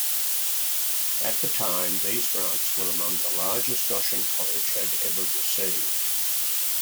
At the time, these grants were among the largest Goshen College had ever received.